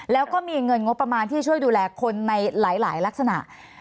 แล้วก็มีเงินงบประมาณที่ช่วยดูแลคนในหลายลักษณะ